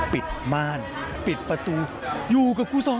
ปิดม่านปิดประตูอยู่กับคู่๒คน